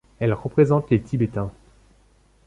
Elle représente les Tibétains.